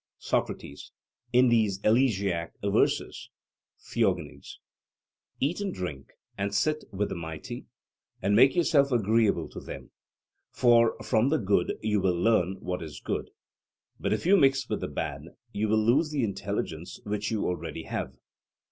SOCRATES: In these elegiac verses (Theog.): 'Eat and drink and sit with the mighty, and make yourself agreeable to them; for from the good you will learn what is good, but if you mix with the bad you will lose the intelligence which you already have.'